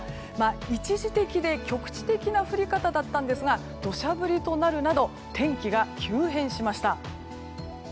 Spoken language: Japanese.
一時的で局地的な降り方だったんですが土砂降りとなるなど天気が急変しました。